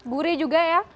burih juga ya